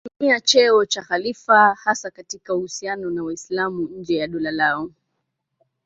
Walitumia cheo cha khalifa hasa katika uhusiano na Waislamu nje ya dola lao.